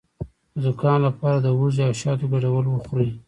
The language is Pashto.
د زکام لپاره د هوږې او شاتو ګډول وخورئ